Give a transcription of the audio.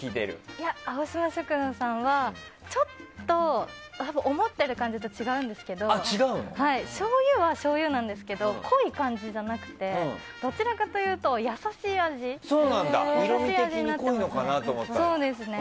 いや、青島食堂さんはちょっと思ってる感じと違うんですがしょうゆはしょうゆなんですけど濃い感じじゃなくてどちらかというと優しい味になってますね。